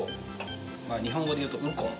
日本語で言うとウコン。